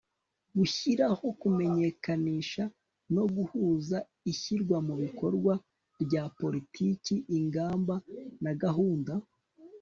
gushyiraho, kumenyekanisha no guhuza ishyirwa mu bikorwa rya politiki, ingamba na gahunda